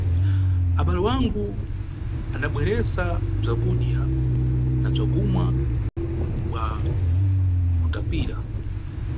Abale wangu adabweresa bzakudya na bzakumwa bwa kutapira.